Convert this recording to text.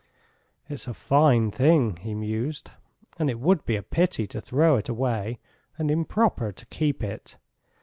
"It's a fine thing," he mused, "and it would be a pity to throw it away and improper to keep it.